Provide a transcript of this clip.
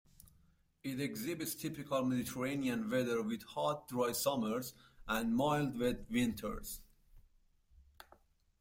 It exhibits typical Mediterranean weather with hot, dry summers and mild, wet winters.